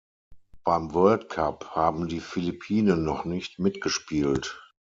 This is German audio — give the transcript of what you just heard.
Beim World Cup haben die Philippinen noch nicht mitgespielt.